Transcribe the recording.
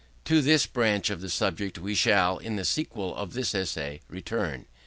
To this branch of the subject we shall, in the sequel of this essay, return.